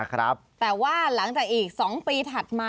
แต่ว่าหลังจากอีก๒ปีถัดมา